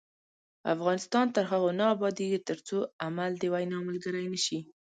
افغانستان تر هغو نه ابادیږي، ترڅو عمل د وینا ملګری نشي.